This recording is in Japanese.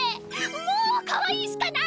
もうかわいいしかない！尊い！